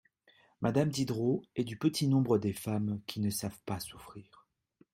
Madame Diderot est du petit nombre des femmes qui ne savent pas souffrir.